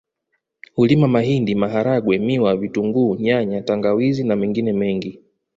Hulima mahindi maharagwe miwa vitunguu nyanya tangawizi na mengine mengi